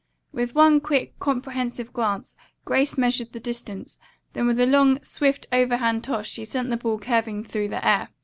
With one quick, comprehensive glance, Grace measured the distance, then with a long, swift overhand toss she sent the ball curving through the air.